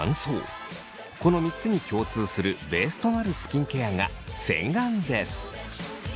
この３つに共通するベースとなるスキンケアが洗顔です。